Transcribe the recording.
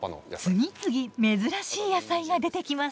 次々珍しい野菜が出てきます。